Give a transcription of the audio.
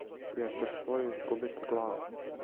Јер ћеш своју изгубити главу,